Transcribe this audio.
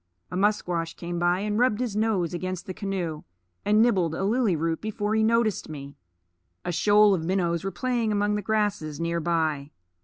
A musquash came by, and rubbed his nose against the canoe, and nibbled a lily root before he noticed me. A shoal of minnows were playing among the grasses near by.